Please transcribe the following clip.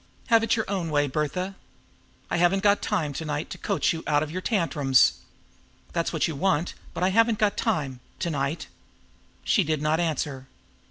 "Have it your own way, Bertha! I haven't got time to night to coax you out of your tantrums. That's what you want, but I haven't got time to night." She did not answer.